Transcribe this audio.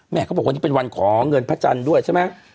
เขาบอกวันนี้เป็นวันขอเงินพระจันทร์ด้วยใช่ไหม